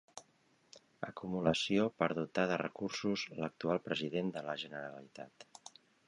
Acumulació per dotar de recursos l'actual president de la Generalitat.